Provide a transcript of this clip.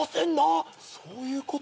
そういうこと？